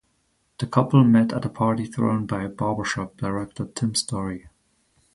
The couple met at a party thrown by "Barbershop" director Tim Story.